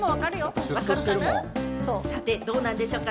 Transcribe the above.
どうなんでしょうか？